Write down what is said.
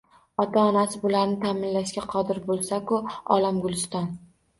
Ota-onasi bularni taʼminlashga qodir boʻlsa-ku, olam guliston